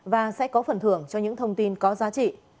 và sẽ có phần thưởng cho những thông tin có giá trị